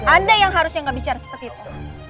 anda yang harusnya nggak bicara seperti itu